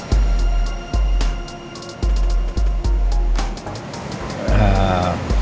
selamat malam pak alex